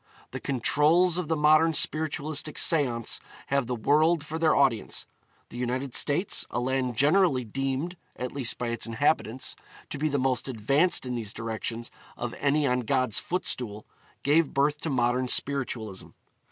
The 'controls' of the modern spiritualistic seance have the world for their audience. The United States, a land generally deemed at least by its inhabitants to be the most advanced in these directions of any on God's footstool, gave birth to modern spiritualism.